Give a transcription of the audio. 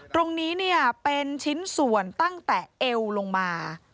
ตรงนี้เนี่ยเป็นชิ้นส่วนตั้งแต่เอวลงมา